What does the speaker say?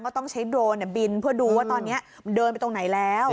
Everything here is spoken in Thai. ต้องใช้โดรนบินเพื่อดูว่าตอนนี้มันเดินไปตรงไหนแล้ว